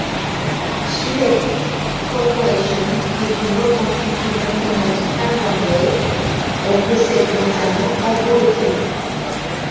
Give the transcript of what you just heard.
Sulake Corporation est une autre entreprise Internet finlandaise, elle possède notamment Habbo Hotel.